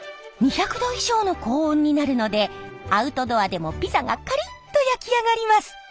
２００度以上の高温になるのでアウトドアでもピザがカリッと焼き上がります。